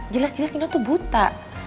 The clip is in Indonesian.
jelas jelas nino tuh buta